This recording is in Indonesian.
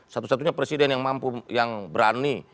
satu satunya presiden yang mampu yang berani